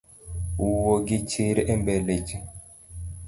Wuo gichir embele ji